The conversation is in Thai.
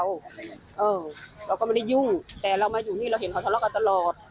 เราก็ไม่ได้ยุ่งแต่เรามาอยู่นี่เราเห็นเขาทะเลาะกันตลอด